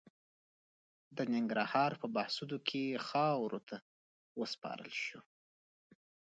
د ننګرهار په بهسودو کې خاورو ته وسپارل شو.